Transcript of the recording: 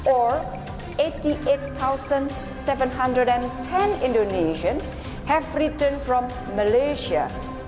satu tujuh ratus sepuluh orang indonesia telah mengembalikan dari malaysia